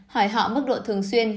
hỏi họ mức độ thường xuyên